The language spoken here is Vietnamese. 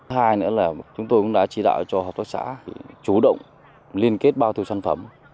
hai nữa là chúng tôi cũng đã chỉ đạo cho hợp tác xã chủ động liên kết bao tiêu sản phẩm